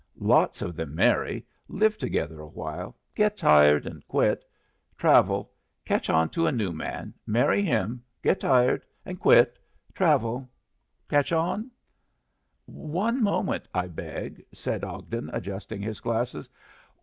"Lots of them marry, live together awhile, get tired and quit, travel, catch on to a new man, marry him, get tired and quit, travel, catch on " "One moment, I beg," said Ogden, adjusting his glasses.